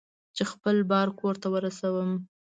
چې خپل بار کور ته ورسوم.